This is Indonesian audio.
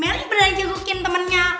melly berani jengukin temennya